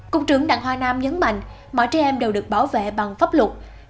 cục trưởng đặng hoa nam nhấn mạnh mọi trẻ em đều được bảo vệ bằng pháp luật